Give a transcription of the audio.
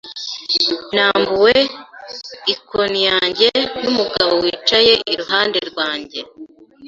Nambuwe ikooni yanjye n'umugabo wicaye iruhande rwanjye.